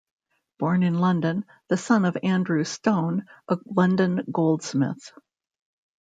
Born in London, the son of Andrew Stone, a London goldsmith.